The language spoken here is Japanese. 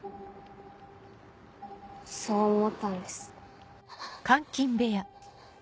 そう思ったんです。